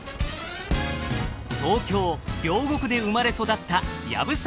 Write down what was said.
東京・両国で生まれ育った藪沢